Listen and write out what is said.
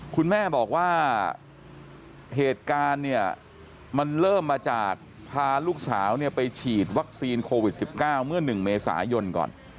คุณแม่บอกว่าเหตุการณ์เนี่ยมันเริ่มมาจากพาลูกสาวไปฉีดวัคซีนโควิด๑๙เมื่อ๑เมษายนก่อน